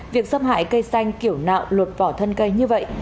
việc xâm hại cây xanh kiểu nạo luột vỏ thân cây như vậy